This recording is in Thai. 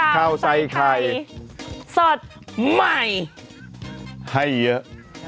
ข่าวใส่ใครให้เยอะ